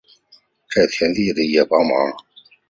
在田里也需帮忙